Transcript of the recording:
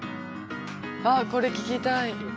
あっこれ聞きたい。